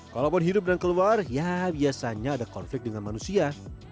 kalaupun hidup dan keluar ya biasanya ada konflik dengan manusia